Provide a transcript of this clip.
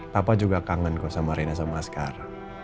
papa juga kangen kok sama rena sama asghar